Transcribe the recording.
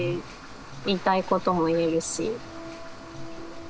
言いたいことも言えるし。